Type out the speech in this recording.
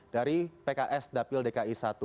dari pks dapil dki satu